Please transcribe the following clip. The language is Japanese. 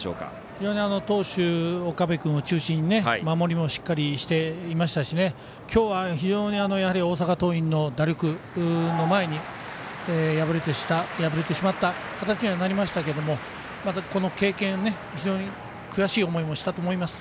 非常に投手岡部君を中心に守りもしっかりしてましたし今日は非常に大阪桐蔭の打力の前に敗れてしまった形にはなりましたけれどもこの経験を非常に悔しい思いもしたと思います。